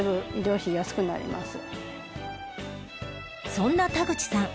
そんな田口さん